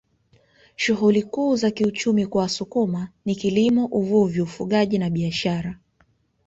Shughuli kuu za kiuchumi kwa Wasukuma ni kilimo uvuvi ufugaji na biashara